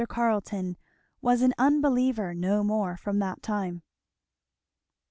Carleton was an unbeliever no more from that time.